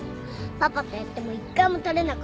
パパとやっても１回も捕れなかったでしょ。